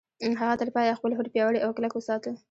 هغه تر پايه خپل هوډ پياوړی او کلک وساته.